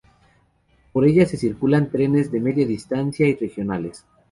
Por ella circulan trenes de media distancia y regionales.